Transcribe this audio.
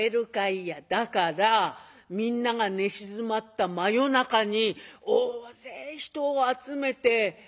「だからみんなが寝静まった真夜中に大勢人を集めて」。